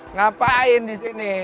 ngapain di sini